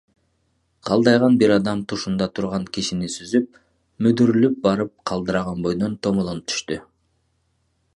Калдайган бир адам тушунда турган кишини сүзүп, мүдүрүлүп барып калдыраган бойдон томолонуп түштү